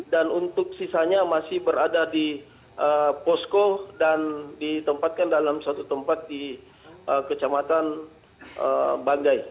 dan untuk sisanya masih berada di posko dan ditempatkan dalam suatu tempat di kecamatan banggai